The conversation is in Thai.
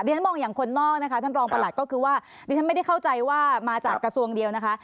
ฉันมองอย่างคนนอกนะคะท่านรองประหลัดก็คือว่าดิฉันไม่ได้เข้าใจว่ามาจากกระทรวงเดียวนะคะ